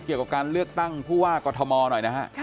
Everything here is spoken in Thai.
เกี่ยวกับการเลือกตั้งผู้ว่ากรธมรนะครับค่ะ